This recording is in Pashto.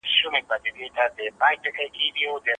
محروم قشر هر وخت د پارېدو امادګي لري.